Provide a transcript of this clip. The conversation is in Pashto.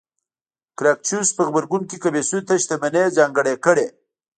ګراکچوس په غبرګون کې کمېسیون ته شتمنۍ ځانګړې کړې